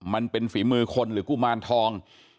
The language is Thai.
มันเป็นฝีมือคนหรือกุมารทอง